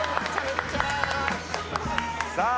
さあ